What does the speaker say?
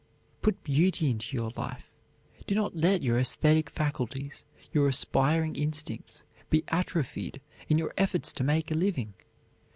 Put beauty into your life, do not let your esthetic faculties, your aspiring instincts, be atrophied in your efforts to make a living.